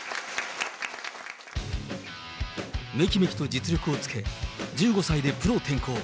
めきめきと実力をつけ、１５歳でプロ転向。